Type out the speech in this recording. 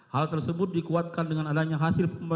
hal tersebut dikuatkan dengan adanya hasil pemeriksaan